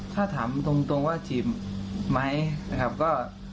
ถ้าถามธรรมตรงว่าจีบไหมก็